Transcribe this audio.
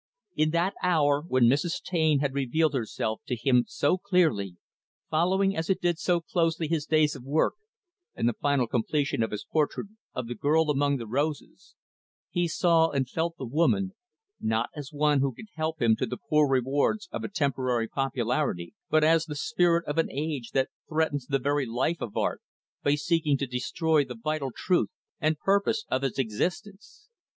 In that hour when Mrs. Taine had revealed herself to him so clearly, following as it did so closely his days of work and the final completion of his portrait of the girl among the roses, he saw and felt the woman, not as one who could help him to the poor rewards of a temporary popularity, but as the spirit of an age that threatens the very life of art by seeking to destroy the vital truth and purpose of its existence.